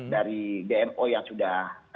dari dmo yang sudah